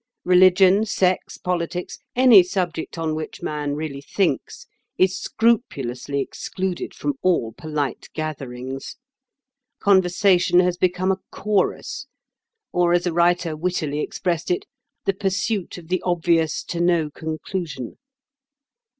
Religion, sex, politics—any subject on which man really thinks, is scrupulously excluded from all polite gatherings. Conversation has become a chorus; or, as a writer wittily expressed it, the pursuit of the obvious to no conclusion.